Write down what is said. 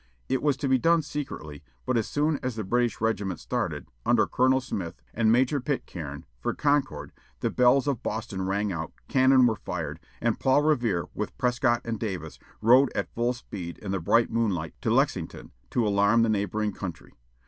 It was to be done secretly, but as soon as the British regiment started, under Colonel Smith and Major Pitcairn, for Concord, the bells of Boston rang out, cannon were fired, and Paul Revere, with Prescott and Davis, rode at full speed in the bright moonlight to Lexington, to alarm the neighboring country.